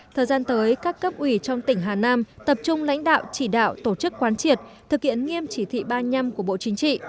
thời gian tới các cấp ủy trong tỉnh hà nam tập trung lãnh đạo chỉ đạo tổ chức quán triệt thực hiện nghiêm chỉ thị ba mươi năm của bộ chính trị